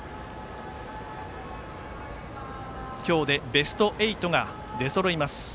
今日でベスト８が出そろいます。